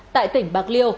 tại tỉnh bạc liêu